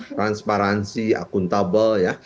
transparansi akuntabel ya